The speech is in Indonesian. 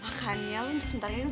makanya lo untuk sebentar ini